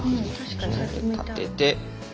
立てて。